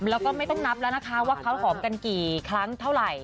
แล้วก็ไม่ต้องนับแล้วนะคะว่าเขาหอมกันกี่ครั้งเท่าไหร่